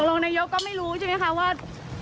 รองนายกก็ไม่รู้ใช่ไหมคะว่า